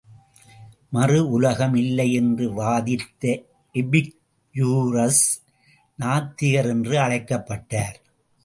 மறு உலகம் இல்லை என்று வாதித்த எபிக்யூரஸ், நாத்திகர் என்று அழைக்கப்பட்டார்.